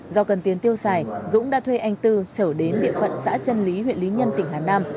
do cần tiền tiêu xài dũng đã thuê anh tư trở đến địa phận xã trân lý huyện lý nhân tỉnh hà nam